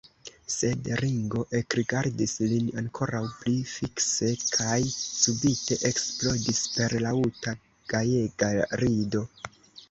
Sed Ringo ekrigardis lin ankoraŭ pli fikse kaj subite eksplodis per laŭta, gajega rido.